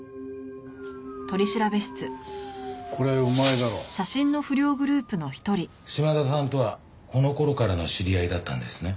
これお前だろ。島田さんとはこの頃からの知り合いだったんですね？